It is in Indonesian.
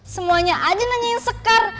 semuanya aja nanyain sekar